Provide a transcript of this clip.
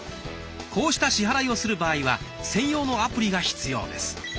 こうした支払いをする場合は専用のアプリが必要です。